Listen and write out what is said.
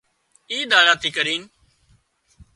اِي ۮاڙا ٿِي ڪرينَ